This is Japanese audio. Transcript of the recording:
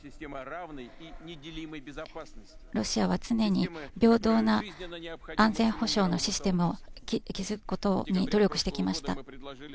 ロシアは常に平等な安全保障のシステムを築くことに努力してきました。